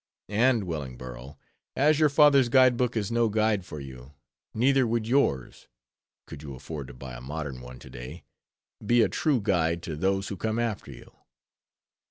And, Wellingborough, as your father's guidebook is no guide for you, neither would yours (could you afford to buy a modern one to day) be a true guide to those who come after you.